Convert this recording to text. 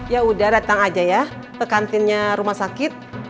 yaudah datang aja ya ke kantinnya rumah sakit